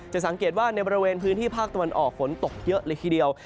สังเกตว่าในบริเวณพื้นที่ภาคตะวันออกฝนตกเยอะเลยทีเดียว